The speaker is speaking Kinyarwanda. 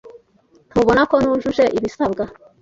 Ntubona ko nujuje ibisabwa?